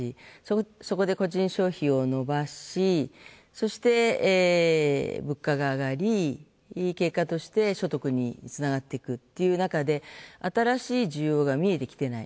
そこで個人消費を伸ばしそして、物価が上がり、結果として所得につながっていくっていう中で新しい需要が見えてきていない。